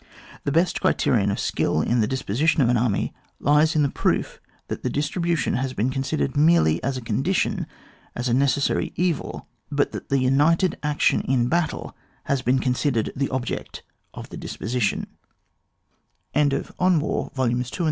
The best criterion of skill in the disposition of an army lies in the proof that the distri bution has been considered merely as a condition, as a necessaiy evil, but that united action in battle has been considered the object of the disposition.